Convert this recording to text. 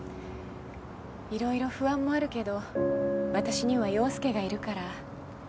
色々不安もあるけど私には陽佑がいるから。